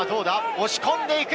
押し込んでいく。